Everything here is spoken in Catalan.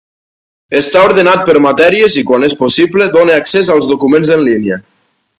Està ordenat per matèries i, quan és possible, dona accés als documents en línia.